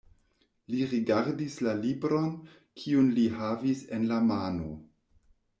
Li rigardis la libron, kiun li havis en la mano.